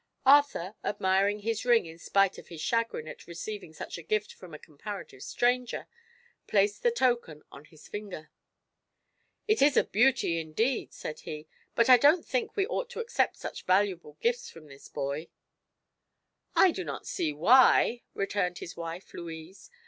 Arthur, admiring his ring in spite of his chagrin at receiving such a gift from a comparative stranger, placed the token on his finger. "It is a beauty, indeed," said he, "but I don't think we ought to accept such valuable gifts from this boy." "I do not see why," returned his wife Louise.